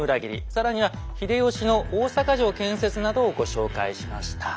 更には秀吉の大坂城建設などをご紹介しました。